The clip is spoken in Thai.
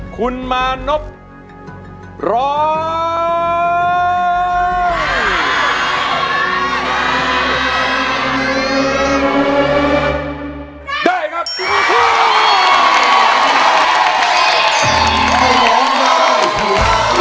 คุณมานพร้อง